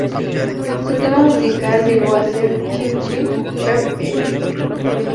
Su tema musical llegó a ser "Chim Chim Cher-ee".